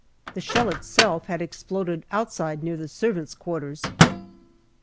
The shell itself had exploded outside near the servants' quarters.